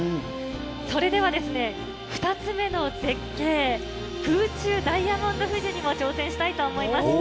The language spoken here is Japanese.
それでは、２つ目の絶景、空中ダイヤモンド富士にも挑戦したいと思います。